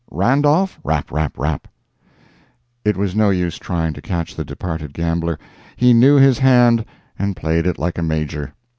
—Randolph?—" "Rap, rap, rap." It was no use trying to catch the departed gambler. He knew his hand and played it like a Major.